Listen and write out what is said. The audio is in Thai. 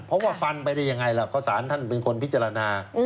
เพราะว่าฟันไปได้ยังไงล่ะเพราะสารท่านเป็นคนพิจารณา